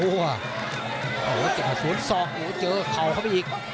โอ้โหจังหวะสวนศอกโอ้โหเจอเข่าเข้าไปอีก